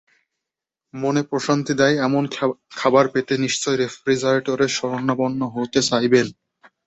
মনে প্রশান্তি দেয় এমন খাবার পেতে নিশ্চয় রেফ্রিজারেটরের শরণাপন্ন হতে চাইবেন।